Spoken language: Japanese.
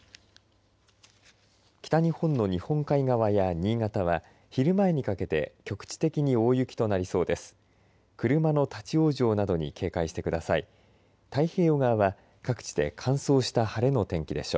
北日本の日本海側や新潟は昼前にかけて局地的に大雪となりそうです。